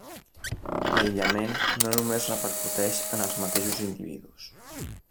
L'aïllament no només repercuteix en els mateixos individus.